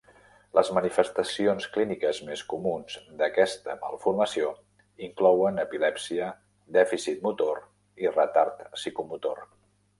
Les manifestacions clíniques més comuns d"aquesta malformació inclouen epilèpsia, dèficit motor i retard psicomotor.